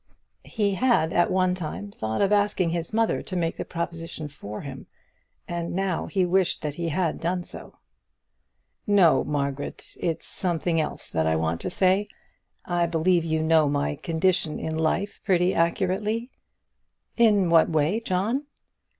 He had at one time thought of asking his mother to make the proposition for him, and now he wished that he had done so. "No, Margaret, it's something else that I want to say. I believe you know my condition in life pretty accurately." "In what way, John?"